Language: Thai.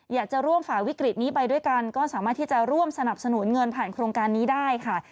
อยากจะร่วมฝ่าวิกฤตนี้ไปด้วยกันก็สามารถที่จะร่วมสนับสนุนเงินผ่านโครงการนี้ได้ค่ะ